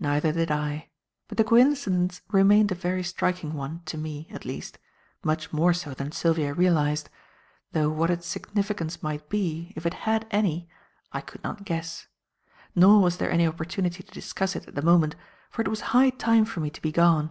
Neither did I. But the coincidence remained a very striking one, to me, at least; much more so than Sylvia realized; though what its significance might be if it had any I could not guess. Nor was there any opportunity to discuss it at the moment, for it was high time for me to be gone.